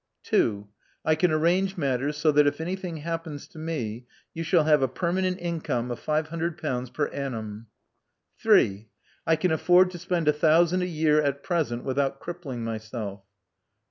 2, I can arrange matters so that if anything happens to me you shall have a permanent income of five hundred pounds per annum. 3, I can afford to spend a thousand a year at present, without crippling myself.